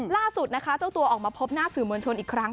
ล่าสุดนะคะเจ้าตัวออกมาพบหน้าสื่อมวลชนอีกครั้ง